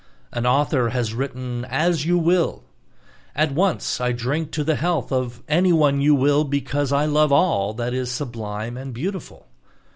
An author has written As you will: at once I drink to the health of "anyone you will" because I love all that is "sublime and beautiful."